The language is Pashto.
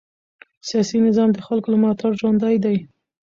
سیاسي نظام د خلکو له ملاتړ ژوندی دی